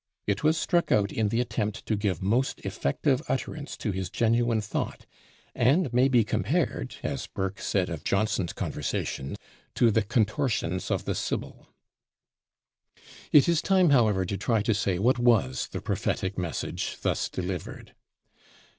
It was struck out in the attempt to give most effective utterance to his genuine thought, and may be compared, as Burke said of Johnson's conversation, to the "contortions of the Sibyl." It is time, however, to try to say what was the prophetic message thus delivered.